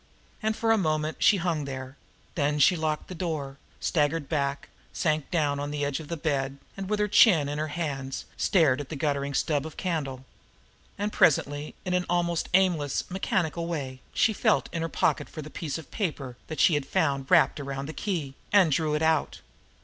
And for a moment she hung there, then she locked the door, staggered back, sank down on the edge of the bed, and, with her chin in her hands, stared at the guttering stub of candle. And presently, in an almost aimless, mechanical way, she felt in her pocket for the piece of paper that she had found wrapped around the key, and drew it out.